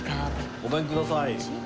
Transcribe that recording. ごめんください